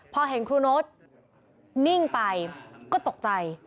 พอเห็นครูโน๊ตนิ่งไปก็ตกใจ